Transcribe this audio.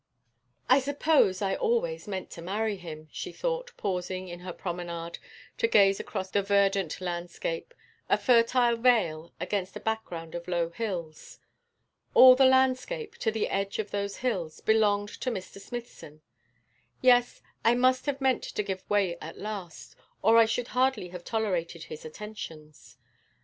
'I suppose I always meant to marry him,' she thought, pausing in her promenade to gaze across the verdant landscape, a fertile vale, against a background of low hills. All the landscape, to the edge of those hills, belonged to Mr. Smithson. 'Yes, I must have meant to give way at last, or I should hardly have tolerated his attentions.